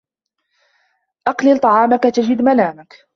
أقلل طعامك تجد منامك